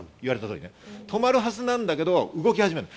止まるはずなんだけど動き始める。